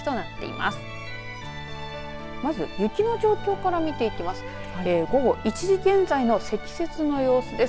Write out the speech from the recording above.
まず雪の状況から見ていきます。